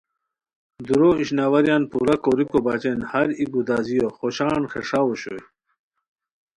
دُورو اشناواریان پورا کوریکو بچین ہر ای گدازیو خوشان خیݰاؤ اوشوئے